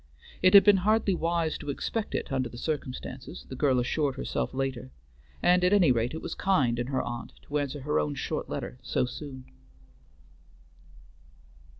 It had been hardly wise to expect it under the circumstances, the girl assured herself later, and at any rate it was kind in her aunt to answer her own short letter so soon.